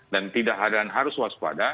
dan tidak ada yang harus waspada